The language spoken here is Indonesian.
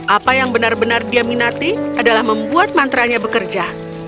apa yang benar benar dia minati adalah membuat mantranya bekerja